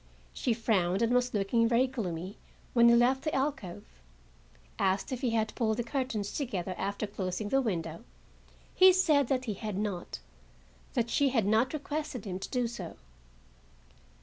She frowned and was looking very gloomy when he left the alcove. Asked if he had pulled the curtains together after closing the window, he said that he had not; that she had not requested him to do so.